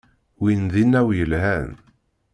Win d inaw yelhan.